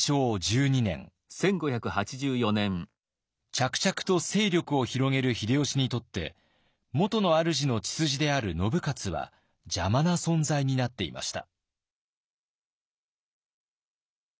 着々と勢力を広げる秀吉にとって元のあるじの血筋である信雄は邪魔な存在になっていました。